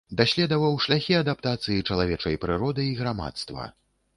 Даследаваў шляхі адаптацыі чалавечай прыроды і грамадства.